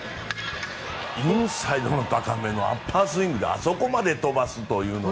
インサイドの高めのアッパースイングであそこまで飛ばすというのは。